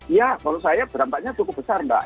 ya kalau saya berdampaknya cukup besar mbak